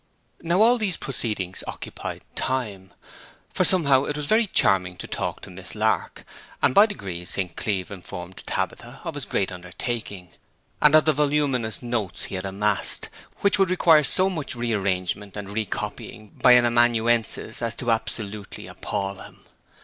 Now all these proceedings occupied time, for somehow it was very charming to talk to Miss Lark; and by degrees St. Cleeve informed Tabitha of his great undertaking, and of the voluminous notes he had amassed, which would require so much rearrangement and recopying by an amanuensis as to absolutely appal him.